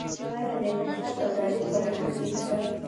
آیا د اقتصاد او تاریخ په رڼا کې نه ده؟